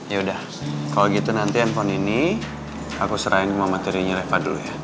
yaudah kalau gitu nanti handphone ini aku serahin ke materinya reva dulu ya